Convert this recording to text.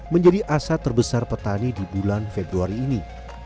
menjadi aset terbesar petani di bulan februari ini